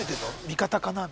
「味方かな？」。